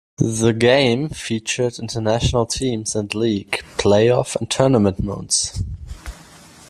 The game featured international teams and league, play-off and tournament modes.